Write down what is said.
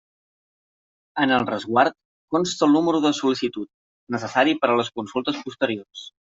En el resguard consta el número de sol·licitud, necessari per a les consultes posteriors.